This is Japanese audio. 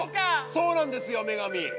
そうなんですよ女神。